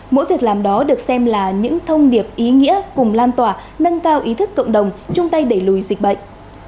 mỗi việc làm đó được xem là những thông điệp ý nghĩa cùng lan tỏa nâng cao ý thức cộng đồng chung tay đẩy lùi dịch bệnh